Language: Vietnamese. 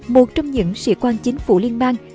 một trong những sĩ quan chính phủ liên bang